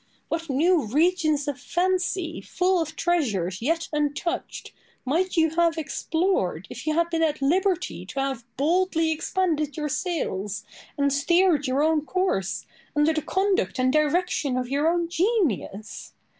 What new regions of fancy, full of treasures yet untouched, might you have explored, if you had been at liberty to have boldly expanded your sails, and steered your own course, under the conduct and direction of your own genius!